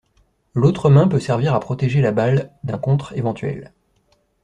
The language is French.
L'autre main peut servir à protéger la balle d'un contre éventuel.